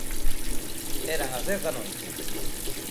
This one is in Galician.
Eran as dez da noite.